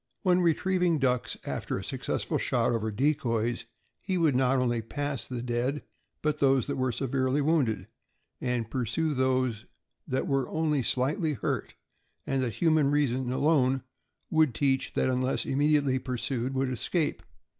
When retriev ing ducks, after a successful shot over decoys, he would not only pass the dead, but those that were severely wounded, and pursue those that were only slightly hurt and that human reason alone would teach that unless immediately pursued would escape.